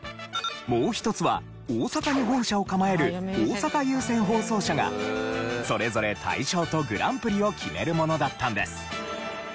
もう一つは大阪に本社を構える大阪有線放送社がそれぞれ大賞とグランプリを決めるものだったんです。